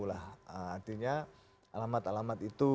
artinya alamat alamat itu